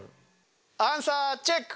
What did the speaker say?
アンサーチェック！